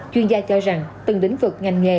chuyên gia cho rằng từng đỉnh vực ngành nghề